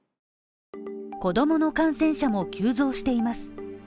子供の感染者も急増しています。